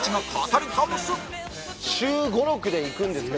週５６で行くんですけど。